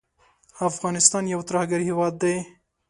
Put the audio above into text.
افغانستان یو ترهګر هیواد دی